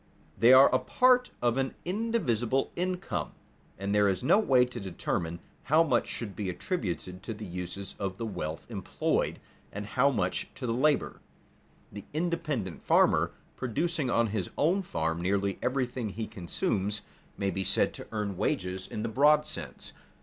They are a part of an indivisible income, and there is no way to determine how much should be attributed to the uses of the wealth employed and how much to the labor. The independent farmer, producing on his own farm nearly everything he consumes, may be said to earn wages in the broad sense.